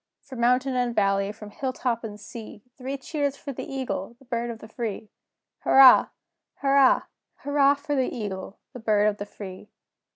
From mountain and valley, from hill top and sea, Three cheers for the Eagle, the Bird of the Free! Hurrah! Hurrah! Hurrah for the Eagle, the Bird of the Free!